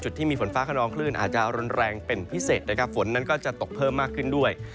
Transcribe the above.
ที่มีฝนฟ้าขนองคลื่นอาจจะรุนแรงเป็นพิเศษนะครับฝนนั้นก็จะตกเพิ่มมากขึ้นด้วย